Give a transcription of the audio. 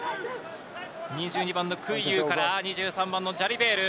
２２番のクイユーからジャリベール。